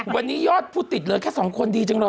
วันนี้ยอดผู้ติดเหลือแค่๒คนดีจังหรอ